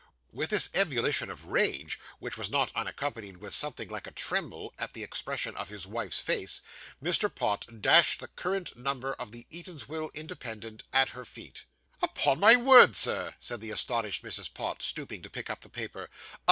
With this ebullition of rage, which was not unaccompanied with something like a tremble, at the expression of his wife's face, Mr. Pott dashed the current number of the Eatanswill Independent at her feet. 'Upon my word, Sir,' said the astonished Mrs. Pott, stooping to pick up the paper.